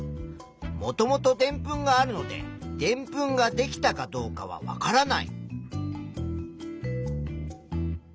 もともとでんぷんがあるのででんぷんができたかどうかはわからない。